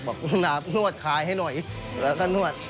บอกหนาบนวดคลายให้หน่อยแล้วก็นวด